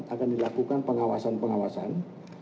akan dilakukan pengawasan pengawasan